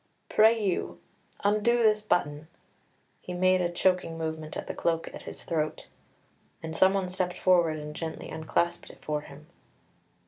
Pray, you, undo this button." He made a choking movement at the cloak at his throat, and someone stepped forward and gently unclasped it for him.